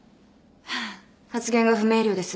発言が不明瞭です。